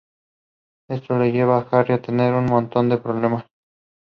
They resides in Kakkanad.